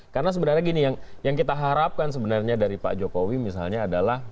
karena sebenarnya gini yang kita harapkan sebenarnya dari pak jokowi misalnya adalah